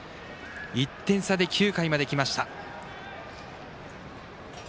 １点差で９回まできました。